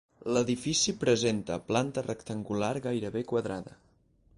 L'edifici presenta planta rectangular gairebé quadrada.